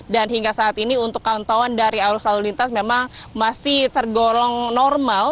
hingga saat ini untuk pantauan dari arus lalu lintas memang masih tergolong normal